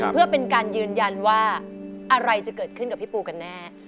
เพื่อเป็นการยืนยันว่าอะไรจะเกิดขึ้นกับพี่ปูกันแน่